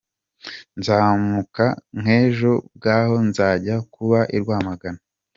Nzamuka nk’ejo bwaho nzajya kuba i Rwamagana.